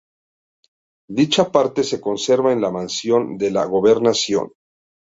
Dicha parte se conserva en la Mansión de la Gobernación.